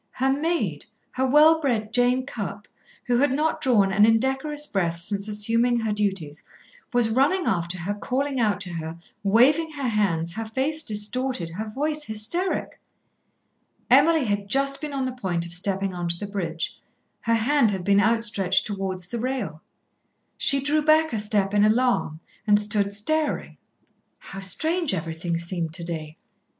Her maid, her well bred Jane Cupp, who had not drawn an indecorous breath since assuming her duties, was running after her calling out to her, waving her hands, her face distorted, her voice hysteric. Emily had been just on the point of stepping on to the bridge, her hand had been outstretched towards the rail. She drew back a step in alarm and stood staring. How strange everything seemed to day.